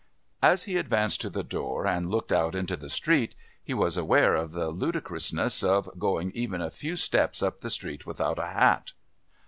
As he advanced to the door and looked out into the street he was aware of the ludicrousness of going even a few steps up the street without a hat.